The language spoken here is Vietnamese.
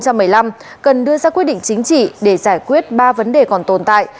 cần đưa ra quyết định chính trị để giải quyết ba vấn đề còn tồn tại